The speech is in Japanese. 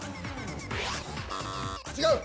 違う。